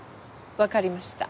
わかりました。